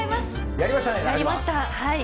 やりました。